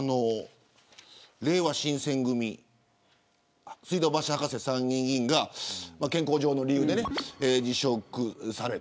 れいわ新撰組水道橋博士参議院議員が健康上の理由で辞職された。